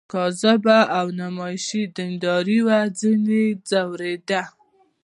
کاذبه او نمایشي دینداري وه ځنې ځورېده.